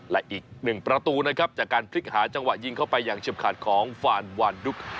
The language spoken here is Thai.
และอีกหนึ่งประตูนะครับจากการพลิกหาจังหวะยิงเข้าไปอย่างเฉียบขาดของฟานวานดุ๊ก